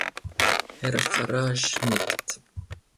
Herr Farage nickt.